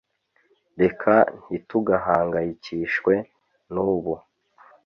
reka ntitugahangayikishwe nubu